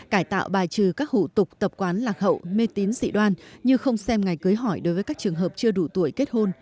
cải tạo bài trừ các hủ tục tập quán lạc hậu mê tín dị đoan như không xem ngày cưới hỏi đối với các trường hợp chưa đủ tuổi kết hôn